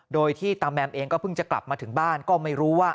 โดยที่ตาแมมเองก็เพิ่งจะกลับมาถึงบ้านก็ไม่รู้ว่า